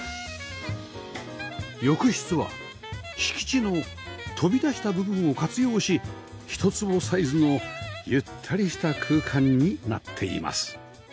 浴室は敷地の飛び出した部分を活用し１坪サイズのゆったりした空間になっています